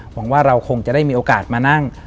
หวังว่าเราคงจะได้มีโอกาสมานั่ง